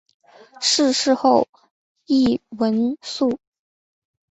逝世后谥文肃。